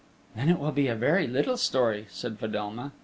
"Then it will be a very little story," said Fedelma.